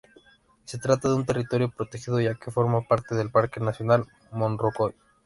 Se trata de una territorio protegido ya que forma parte del Parque nacional Morrocoy.